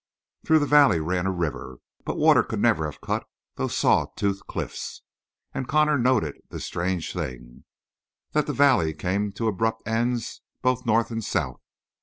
Through the valley ran a river, but water could never have cut those saw tooth cliffs; and Connor noted this strange thing: that the valley came to abrupt ends both north and south.